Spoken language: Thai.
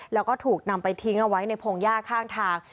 แล้วก็ถูกนำไปทิ้งเอาไว้ในพงหญ้าข้างทาง